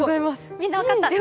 みんな分かった。